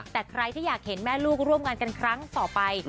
แต่ใครที่อยากเห็นแม่ลูกร่วมงานกันครั้งต่อไป